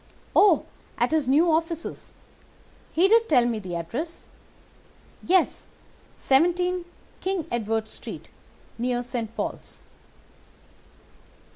"'Oh, at his new offices. He did tell me the address. Yes, 17 King Edward Street, near St. Paul's.